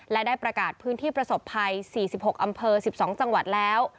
และได้ประกาศพื้นที่ประสบภัย๔๖อำเภอ๑๒จังหวัดแล้ว